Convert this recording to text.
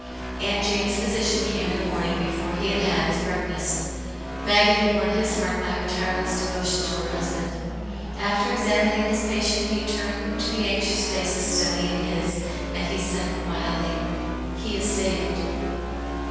Aunt Jane's physician came in the morning before he had had his breakfast. Maggie had won his heart by her tireless devotion to her husband. After examin ing his patient he turned to the anxious faces study ing his, and said, quietly, " He is saved."